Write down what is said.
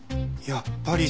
やっぱり？